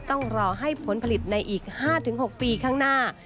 ต้องรอให้ผลผลิตในอีก๕๖ปีข้างหน้า